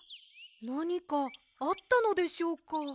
なにかあったのでしょうか？